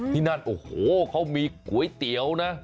ที่นั่นโอ้โหเขามีก๋วยเตี๋ยวนะ